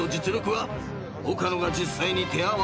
岡野が実際に手合わせしてみる］